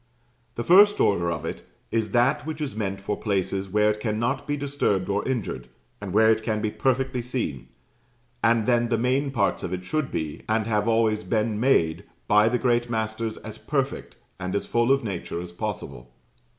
The first order of it is that which is meant for places where it cannot be disturbed or injured, and where it can be perfectly seen; and then the main parts of it should be, and have always been made, by the great masters, as perfect, and as full of nature as possible.